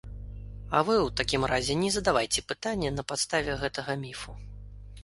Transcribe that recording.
А вы ў такім разе не задавайце пытанне на падставе гэтага міфу.